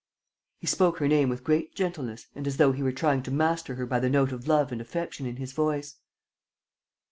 He spoke her name with great gentleness and as though he were trying to master her by the note of love and affection in his voice.